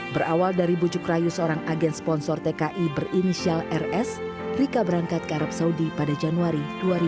berawal dari bujuk rayu seorang agen sponsor tki berinisial rs rika berangkat ke arab saudi pada januari dua ribu dua puluh